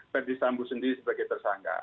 ferdisambu sendiri sebagai tersangka